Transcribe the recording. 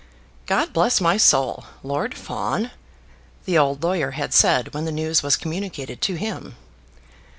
"God bless my soul; Lord Fawn!" the old lawyer had said when the news was communicated to him.